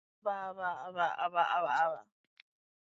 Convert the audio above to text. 印度革命共产主义中心是印度的毛主义武装。